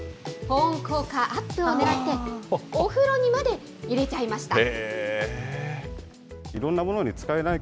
保温効果アップをねらって、お風呂にまで入れちゃいました。